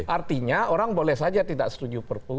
artinya orang boleh saja tidak setuju perpu